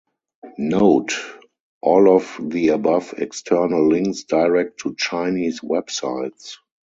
Note: All of the above external links direct to Chinese websites.